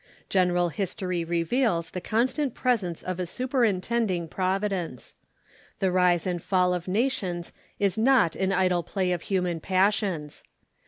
General history reveals the constant presence of a superintending Providence. The rise and fall of nations is not an idle play of human passions.